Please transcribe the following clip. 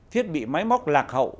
thiết bị máy móc lạc hậu